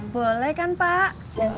boleh kan pak